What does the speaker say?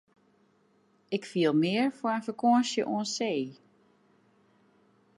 Ik fiel mear foar in fakânsje oan see.